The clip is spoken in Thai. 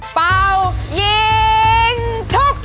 เป่ายิงทุบ